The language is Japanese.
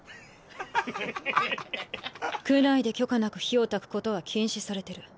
区内で許可なく火をたくことは禁止されてる。